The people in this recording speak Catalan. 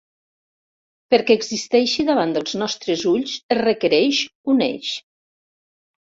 Perquè existeixi davant dels nostres ulls es requereix un eix.